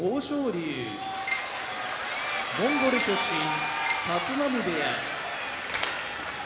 龍モンゴル出身立浪部屋